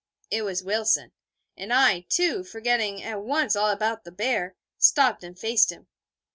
It was Wilson. And I, too, forgetting at once all about the bear, stopped and faced him.